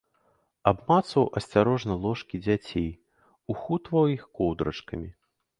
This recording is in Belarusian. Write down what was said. Абмацваў асцярожна ложкі дзяцей, ухутваў іх коўдрачкамі.